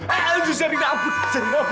aduh zarina ampun